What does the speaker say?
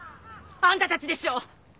・あんたたちでしょう！？